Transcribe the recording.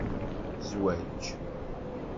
Zwaǧ